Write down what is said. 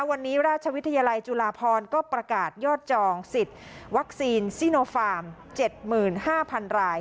วันนี้ราชวิทยาลัยจุฬาพรก็ประกาศยอดจองสิทธิ์วัคซีนซีโนฟาร์ม๗๕๐๐๐ราย